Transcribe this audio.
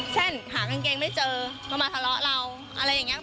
หากางเกงไม่เจอก็มาทะเลาะเราอะไรอย่างนี้